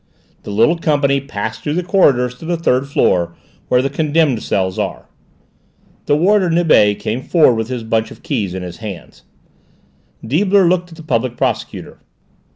The little company passed through the corridors to the third floor, where the condemned cells are. The warder Nibet came forward with his bunch of keys in his hand. Deibler looked at the Public Prosecutor.